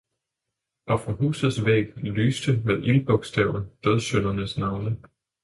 og fra husenes væg lyste med ildbogstaver dødsyndernes navne.